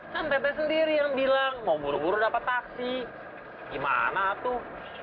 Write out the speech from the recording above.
kan teteh sendiri yang bilang mau buru buru dapat taksi gimana tuh